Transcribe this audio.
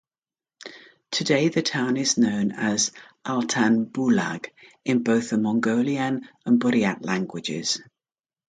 Today, the town is known as Altanbulag in both the Mongolian and Buryat languages.